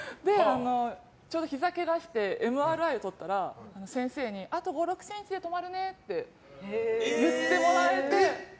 ちょうどひざをけがしてＭＲＩとったら先生にあと５６ｃｍで止まるねって言ってもらえて。